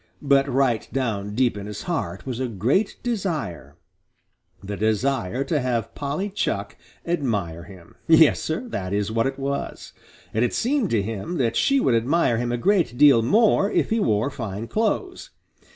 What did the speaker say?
But right down deep in his heart was a great desire the desire to have Polly Chuck admire him. Yes, Sir, that is what it was! And it seemed to him that she would admire him a great deal more if he wore fine clothes.